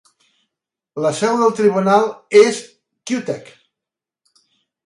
La seu del tribunal és Cuttack.